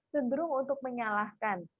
cenderung untuk menyalahkan